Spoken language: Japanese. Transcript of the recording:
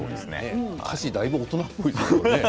歌詞がだいぶ大人っぽいですよね。